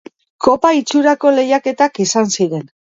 Kopa itxurako lehiaketak izan ziren.